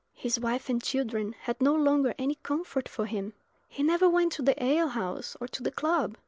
His wife and children had no longer any comfort for him. He never went to the ale house or to the club.